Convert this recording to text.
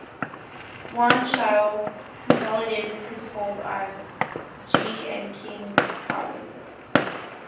Yuan Shao consolidated his hold on Ji and Qing provinces.